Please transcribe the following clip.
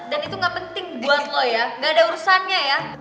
dan itu gak penting buat lo ya gak ada urusannya ya